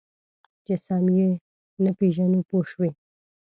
چې سم یې نه پېژنو پوه شوې!.